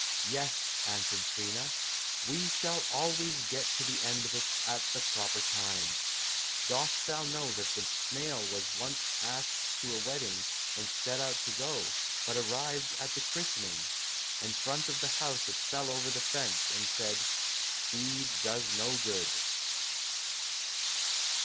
"Yes," answered Trina, "we shall always get to the end of it at the proper time. Dost thou know that the snail was once asked to a wedding and set out to go, but arrived at the christening. In front of the house it fell over the fence, and said, 'Speed does no good.